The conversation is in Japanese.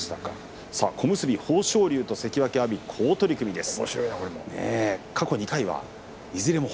小結豊昇龍関脇阿炎、好取組です。